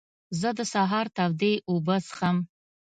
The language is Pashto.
زه د سهار تودې اوبه څښم.